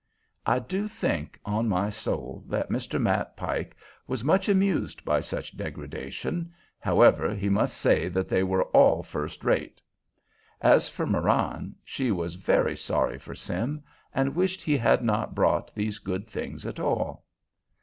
I do think, on my soul, that Mr. Matt Pike was much amused by such degradation—however, he must say that they were all first rate. As for Marann, she was very sorry for Sim, and wished he had not brought these good things at all.